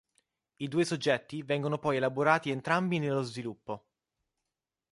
I due soggetti vengono poi elaborati entrambi nello sviluppo.